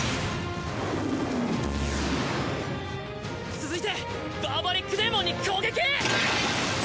続いてバーバリックデーモンに攻撃！